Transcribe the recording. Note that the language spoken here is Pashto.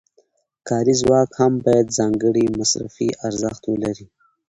کاري ځواک هم باید ځانګړی مصرفي ارزښت ولري